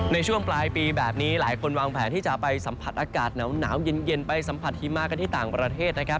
ในช่วงปลายปีแบบนี้หลายคนวางแผนที่จะไปสัมผัสอากาศหนาวเย็นไปสัมผัสหิมะกันที่ต่างประเทศนะครับ